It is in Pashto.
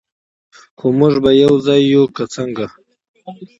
خو موږ به یو ځای یو، که څنګه؟